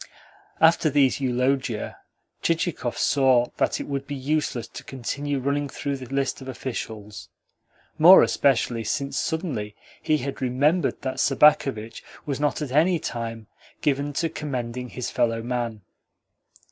After these eulogia Chichikov saw that it would be useless to continue running through the list of officials more especially since suddenly he had remembered that Sobakevitch was not at any time given to commending his fellow man.